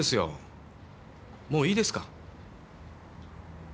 もういいですか？